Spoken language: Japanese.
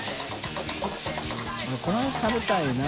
これ食べたいな。